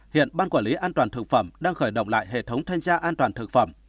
hiện ban quản lý an toàn thực phẩm đang khởi động lại hệ thống thanh tra an toàn thực phẩm